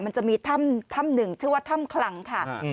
มันจะมีถ้ำหนึ่งชื่อว่าถ้ำคลังค่ะ